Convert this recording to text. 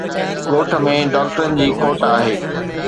ڳوٺ ۾ ڊاڪٽرن جي کوٽ آهي